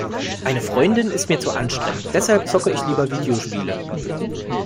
Eine Freundin ist mir zu anstrengend, deshalb zocke ich lieber Videospiele.